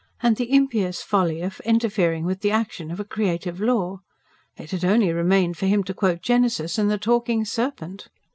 and the impious folly of interfering with the action of a creative law. It had only remained for him to quote Genesis, and the talking serpent!